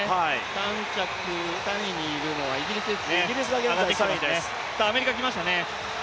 ３着、３位にいるのはイギリスですねアメリカ来ましたね。